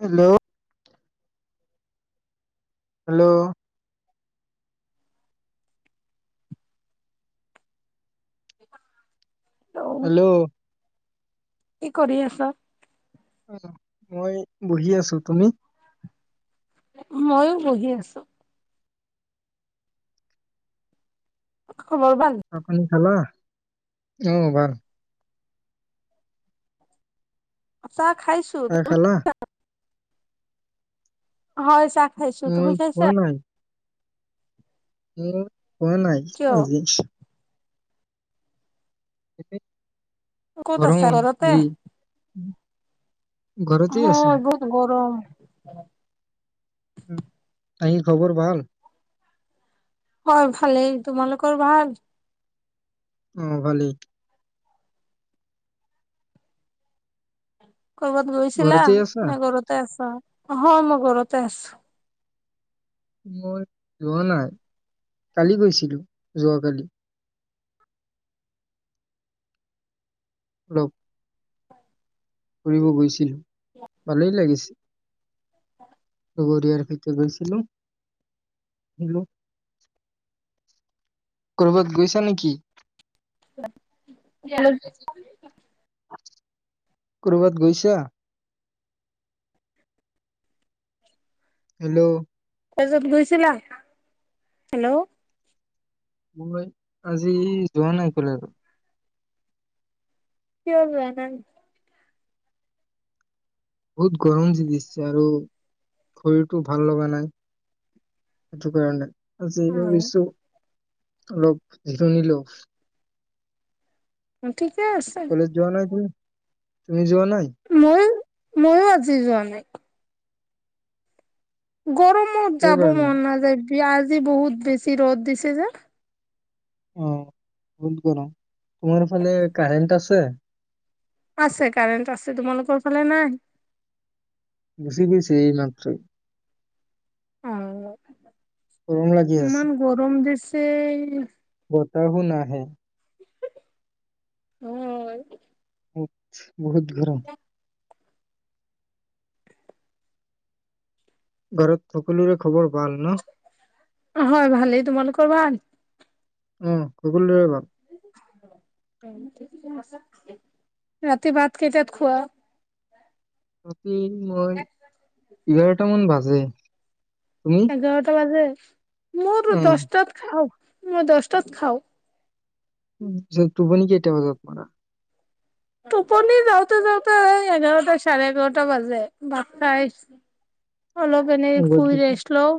Hello hello [unintelligible] hello কি কৰি আছ মই বহি আছো। তুমি? মইও বহি আছো। খবৰ ভাল? চাহ পানী খালা? অ' ভাল। চাহ খাইছো। চাহ তুমি খালা [unintelligible] হয় চা মই খোৱা নাই। উম। খোৱা নাই কিয়? আজি। সেই [inaudible] ক'ত গৰম আছা ঘৰতে? যি। ঘৰতে আছো অ', বহুত গৰম। [inaudible] [unintelligible] খবৰ ভাল? হয় ভালেই, তোমালোকৰ ভাল? অ', ভালেই। কৰ'বাত গৈছিলা ঘৰতে আছা নে, ঘৰতে আছা? হয়, মই ঘৰতে আছোঁ। মই যোৱা নাই। কালি গৈছিলোঁ। যোৱাকালি [unintelligible] ফুৰিব গৈছিলোঁ। ভালেই লাগিছে। লগৰীয়াৰ সৈতে গৈছিলোঁ। হেল্ল' কৰবাত গৈছা নেকি? [inaudible] কৰোবাত গৈছা? হেল্ল' তাৰপিছত গৈছিলা? হেল্ল' মই আজি যোৱা নাই কলৈকো। কিয় যোৱা নাই? বহুত গৰম দি দিছে, আৰু শৰীৰটো ভাল লগা নাই। সেইটো কাৰণে। অ' [unintelligible] [unintelligible] লোভ ধিৰণী লোভ। ঠিকে আছে। কলেজ যোৱা নাই তুমি? তুমি যোৱা নাই? মই ময়ো আজি যোৱা নাই। গৰম। মোৰ কিয় যাব কাৰণে মন নাযায়। ইআজি বহুত বেছি ৰ'দ দিছে যে। অ', বহুত গৰম। তোমাৰ ফালে কাৰেণ্ট আছে? আছে, কাৰেণ্ট আছে। তোমালোকৰ ফালে নাই? গুচি গৈছে এইমাত্ৰ। অ' গৰম লাগি আছে ইমান গৰম দিছে। তে বতাহো নাহে। হয়। বহুত বহুত গৰম। ঘৰত সকলোৰে খবৰ। ভাল ন হয় ভালেই। তোমালোকৰ? প্ৰবান উ'ম দৰে ভাব। [inaudible] ৰাতি ভাত কেইটয়াত খোৱা? অ'। দিন মই এঘাৰটা মান বাজে। তুমি এঘাৰটা বাজে। [unintelligible] মোয়োতো অ দশটাত খাওঁ। মই দশটাত খাওঁ। টোপনি কেইটা বাজাত মাৰা? টোপনি যাওঁতে যাওঁতে এঘাৰটা, চাৰে-এঘাৰটা বাজে। ভাত খা অলপ এনেই শুই গধূলি। ৰেষ্ট লওঁ,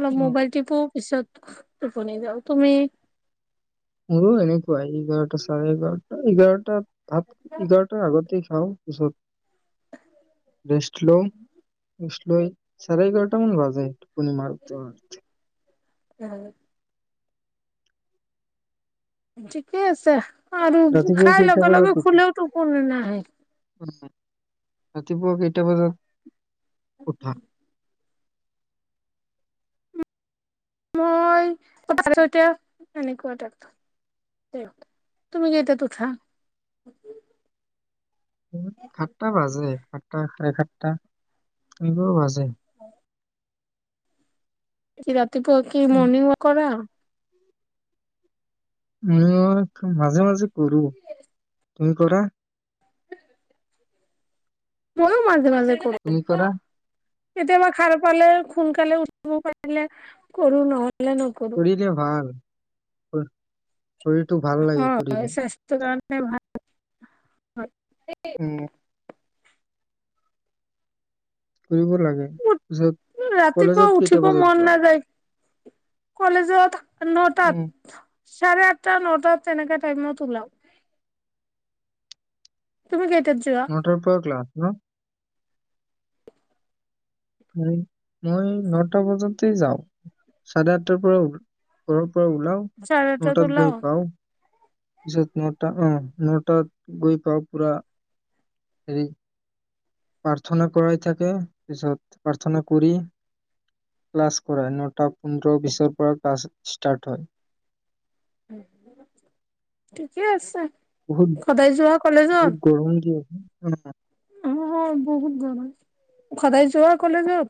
অলপ অ, মোবাইল টিপো। পিছত টোপনি যাওঁ। তুমি? অ', এনেকুৱাই এঘাৰটা, চাৰে এঘাৰটা এঘাৰটা ভাত এঘাৰটা আগতে খাওঁ। পিছত ৰেষ্ট ল'ও। লৈ চাৰে এঘাৰটা মান বাজে, টোপনি মাৰতে-মাৰতে। উম'। ঠিকেই আছে। আৰু ৰাতিপুৱা খাই কেইটা লগে বজাত লগে উঠা? শুলেও টোপনি নাহে। ৰাতিপুৱা কেইটা বাজাত উঠা? মই [unintelligible] এনেকুৱা [unintelligible] তুমি কেইটাত উঠা? সাতটা বাজে। সাতটা চাৰে সাত টা। এনেকুৱা বাজে। অহ'। [unintelligible] তে পুৱা কি উম, মৰ্ণিং ৱাক কৰা? মই মাজে মাজে কৰো। তুমি কৰা? ময়ো মাজ মাজে কৰো। তুমি কৰা কেতিয়াবা সাৰ পালে, সোনকালে উঠিব পাৰিলে, কৰো নহ শৰিলে ভাল হয়। শৰীৰটো ভাল লাগে হয় কৰিলে। স্বাস্থ্যৰ কাৰণে ভাল। হয়। উম। ফুৰিব লাগে পিছত ৰাতিপুৱা কলেজত উঠিব কেইটা বজাত মন যোৱা? নাযায় কলেজত। নটাত। উম, চাৰে আঠটা নটাত তেনেকা টাইমত ওলাও। তুমি কেই। নটাৰ পৰা ক্লাছ ন? মই নটা বজাতে যাওঁ চাৰে আঠটাৰ পৰা। ওলাও চাৰে আঠটাত নটাত গৈ ওলাও পাও। পিছত নটা অঁহ নটাত গৈ পাওঁ পুৰা হেৰি। প্ৰাৰ্থনা কৰাই থাকে পিছত প্ৰাৰ্থনা কৰি ক্লাছ কৰাই নটাত। পন্ধৰো বিচৰ পিছৰ পৰা ক্লাছ। ষ্টাৰ্ট হয়। ঠিকে আছে। বহুত সদায় যোৱা কলেজত বহুত গৰম দি আছে। অ বহুত গাম আছে সদায় যোৱা কলেজত?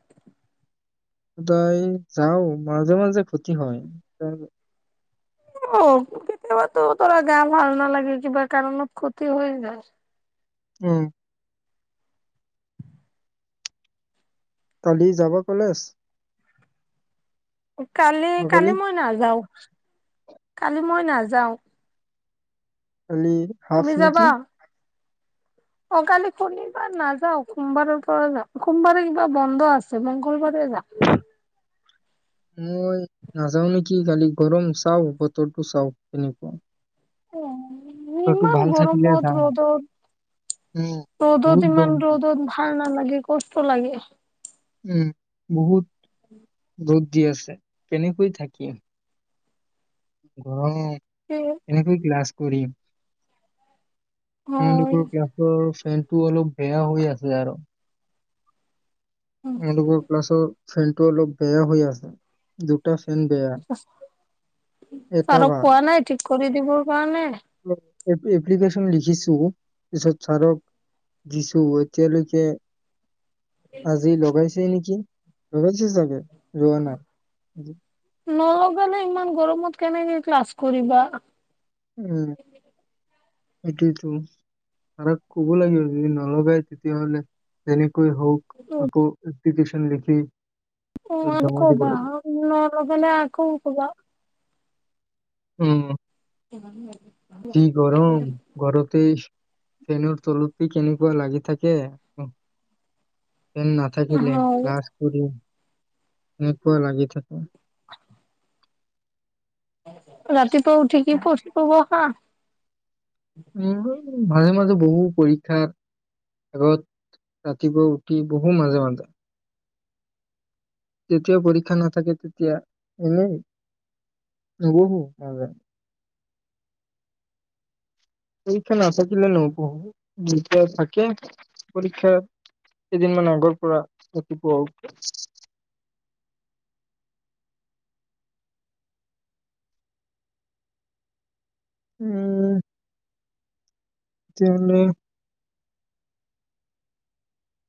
সদায় যাও মাজে মাজে ক্ষতি হয় ত। অ কেতিয়াবাতো তোৰা গা ভাল নালাগে কিবা কাৰণত ক্ষতি হৈ যায়। উম। কালি যাবা কলেজ? কালি, কালি অহাকালি? মই নাযাওঁ। কালি মই নাযাওঁ। অঁ হাফ তুমি নেকি? যাবা? অ কালি শনিবাৰ নাযাও সোমবাৰৰ পৰা যাম সোমবাৰে কিবা বন্ধ আছে মংগলবাৰে যাম। মই নাযাও নেকি কালি গৰম চাও বতৰটো চাও কেনেকুৱা। বতৰটো ইমান ভাল থাকিলে গৰমত যাম। ৰ'দত, উম। বহুত ৰ'দত ইমান গৰম। ৰ'দত ভাল নালাগে। কষ্ট লাগে। উম, বহুত ৰদ দি আছে কেনেকৈ থাকিম। গৰম। এনে ক্লাছ। কৰিম। হয়, এওঁলোকৰ ক্লাছৰ। ফেনটো অলপ বেয়া হৈ আছে আৰু। এওঁলোকৰ ক্লাছৰ ফেন টো অলপ বেয়া হৈ আছে। ফেন বেয়া এটা ছাৰক কোৱা নাই ঠিক। কৰি দিবৰ কাৰণে উ এতিয়া এপ্লিকেশন লিখিছো। পিছত ছাৰক দিছো এতিয়ালৈকে আজি লগাইছে নেকি? গৈছে চাগে ৰোৱা নাই। নলগালে ইমান গৰমত কেনেকে ক্লাছ কৰিবা? উম। সেইটোইটো। ছাৰক ক'ব লাগিব যদি নলগাই তেতিয়াহ'লে, এৰি কৈ হওক, আকৌ এপ্লিকেশন লিখি য'ত উম জমা দিব ক'বা। লাগে। নলগালে আকৌ ক'বা। উম। কিমান লে কি গৰম! ঘৰতে ফেনৰ তলতে কেনেকুৱা লাগি থাকে। আ ফেন নাথাকিলে নাহা ক্লাছ কৰি এনেকুৱা লাগি থাকে। [inaudible] [unintelligible] ৰাতিপুৱা উঠি কি পঢ়িব বহা? উম। মাজে মাজ বহো পৰীক্ষা আগত ৰাতিপুৱা উঠি। বহো মাজে মাজে। যেতিয়া পৰীক্ষা নাথাকে তেতিয়া। এনেই নবহো মাজত। পৰীক্ষা নাথাকিলে নপঢ়ো। যেতিয়া থাকে পৰীক্ষাৰ কেইদিনমান আগৰ পৰা ৰাতিপুৱা উঠো। উম। তেতিয়াহলে